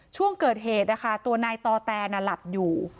ช่วงเกิดเหตุนะคะตัวนายต่อแตนหลับอยู่